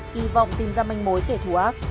kỳ vọng tìm ra manh mối kẻ thù ác